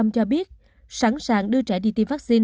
tám mươi một cho biết sẵn sàng đưa trẻ đi tiêm vaccine